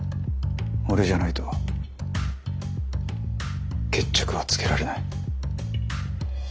俺じゃないと決着はつけられない。